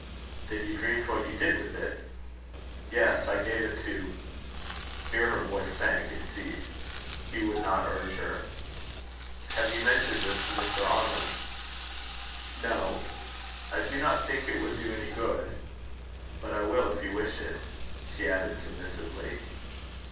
"Then you dreamed what you did with it?" "Yes, I gave it to " Here her voice sank and ceased. Hugh would not urge her. "Have you mentioned this to Mr. Arnold?" "No. I do not think it would do any good. But I will, if you wish it," she added submissively.